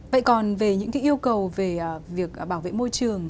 vậy còn về những cái yêu cầu về việc bảo vệ môi trường